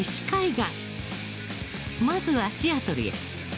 まずはシアトルへ。